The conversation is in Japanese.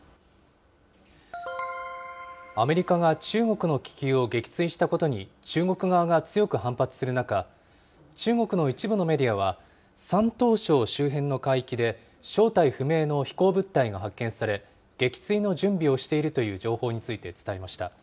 アメリカが中国の気球を撃墜したことに中国側が強く反発する中、中国の一部のメディアは、山東省周辺の海域で正体不明の飛行物体が発見され、撃墜の準備をしているという情報について伝えました。